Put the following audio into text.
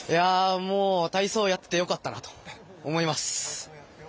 体操やって良かったなって思います。